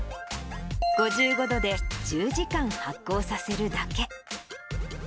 ５５度で１０時間発酵させるだけ。